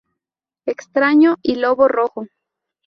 Extraño y Lobo Rojo.